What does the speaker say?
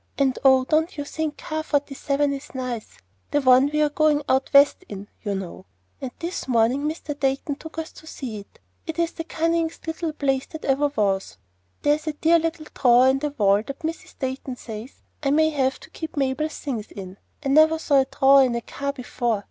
And oh! don't you think Car Forty seven is nice, the one we are going out West in, you know? And this morning Mr. Dayton took us to see it. It's the cunningest place that ever was. There's one dear little drawer in the wall that Mrs. Dayton says I may have to keep Mabel's things in. I never saw a drawer in a car before.